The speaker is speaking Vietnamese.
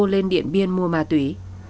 lên điện biên mua ma túy